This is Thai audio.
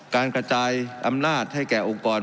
การกระจายอำนาจให้แก่องค์กร